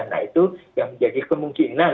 nah itu yang menjadi kemungkinan